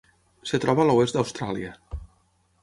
Es troba a l'oest d'Austràlia.